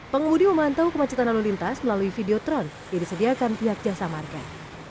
pengemudi memantau kemacetan lalu lintas melalui video tron yang disediakan pihak jasa market